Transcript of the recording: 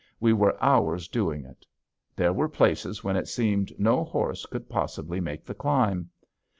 We were hours doing it. There were places when it seemed no horse could possibly make the climb.